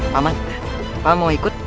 paman paman mau ikut